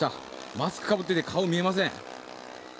マスクをかぶっていて顔は見えません。